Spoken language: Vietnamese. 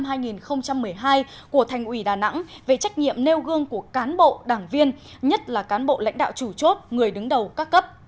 quy định số năm mươi chín năm hai nghìn một mươi hai của thành ủy đà nẵng về trách nhiệm nêu gương của cán bộ đảng viên nhất là cán bộ lãnh đạo chủ chốt người đứng đầu các cấp